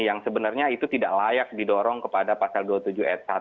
yang sebenarnya itu tidak layak didorong kepada pasal dua puluh tujuh ayat satu